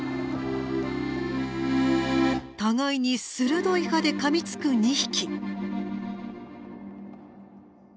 互いに鋭い歯でかみつく２匹。